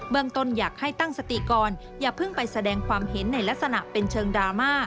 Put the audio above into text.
ต้นอยากให้ตั้งสติก่อนอย่าเพิ่งไปแสดงความเห็นในลักษณะเป็นเชิงดราม่า